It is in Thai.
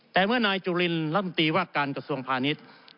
แต่เมื่อนายจุลินรัฐมนตรีว่าการกระทรวงพาณิชย์